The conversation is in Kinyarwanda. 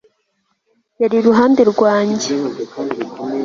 yari iruhande rwanjye